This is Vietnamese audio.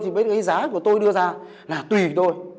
thì với cái giá của tôi đưa ra là tùy tôi